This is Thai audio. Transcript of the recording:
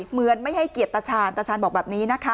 เหมือนไม่ให้เกียรติตาชาญตาชาญบอกแบบนี้นะคะ